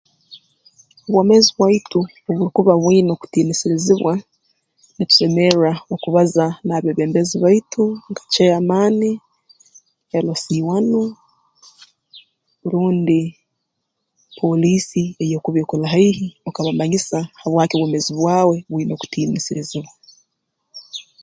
Obwemeezi bwaitu obu burukuba bwine kutiinisirizibwa nitusemerra okubaza n'abeebembezi baitu nka ceyamaani LC1 rundi poolisi eyeekuba ekuli haihi okabamanyisa habwaki obwemeezi bwawe bwine kutiinisirizibwa